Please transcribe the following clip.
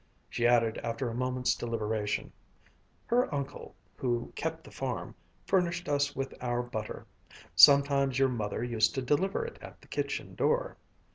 She added after a moment's deliberation: "Her uncle, who kept the farm, furnished us with our butter. Sometimes your mother used to deliver it at the kitchen door."